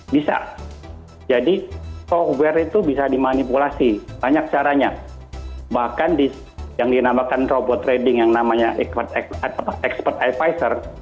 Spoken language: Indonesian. bisa jadi software itu bisa dimanipulasi banyak caranya bahkan yang dinamakan robot trading yang namanya expert advisor